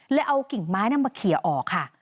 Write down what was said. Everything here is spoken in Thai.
เลยเอากิ่งไม้นำมาเขียวออกค่ะ